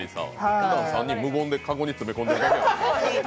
ふだん３人、無言で籠に詰め込んでるだけなのに。